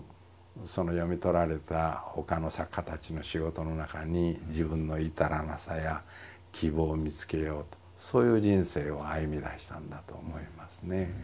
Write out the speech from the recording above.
その読み取られた他の作家たちの仕事の中に自分の至らなさや希望を見つけようとそういう人生を歩みだしたんだと思いますね。